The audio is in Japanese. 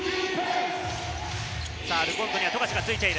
ルコントには富樫がついている。